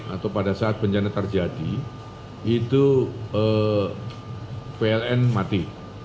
atau pada saat bencana terjadi itu pln mati